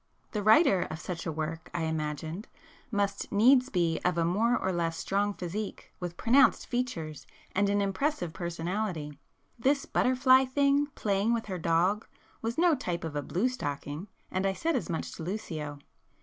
The writer [p 223] of such a work, I imagined, must needs be of a more or less strong physique, with pronounced features and an impressive personality. This butterfly thing, playing with her dog, was no type of a 'blue stocking,' and I said as much to Lucio.